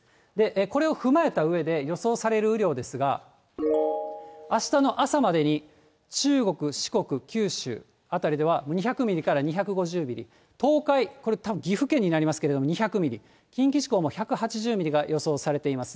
これを踏まえたうえで、予想される雨量ですが、あしたの朝までに中国、四国、九州辺りでは２００ミリから２５０ミリ、東海、これたぶん岐阜県になりますけれども、２００ミリ、近畿地方も１８０ミリが予想されています。